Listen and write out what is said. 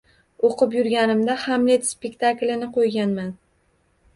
O‘qib yurganimda hamlet spektaklini qo‘yganman.